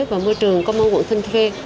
và môi trường công an quận thân khe